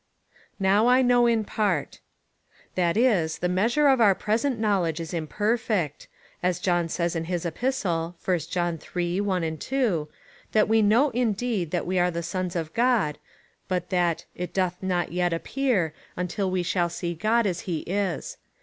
Now I know in part. That is, the measure of our present knowledge is imperfect, as John says in his Epistle, (1 John iii. 1, 2,) that we know, indeed, that we are the sons of God, but that it doth not yet appear, until we shall see God as he is.